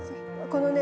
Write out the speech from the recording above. このね。